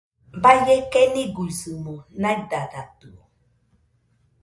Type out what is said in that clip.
Baie keniguisɨmo naidadatɨo